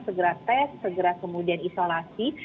segera tes segera kemudian isolasi